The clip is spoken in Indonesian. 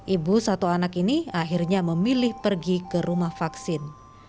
ibu satu anak ini akhirnya memilih pergi ke rumah vaksin